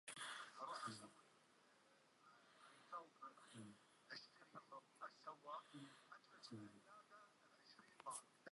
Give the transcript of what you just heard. پێم ناکرێت لە یەک کات تەرکیز بخەمە سەر دوو شت.